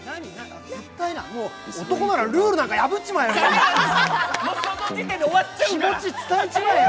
男ならルールなんか破っちゃえよ！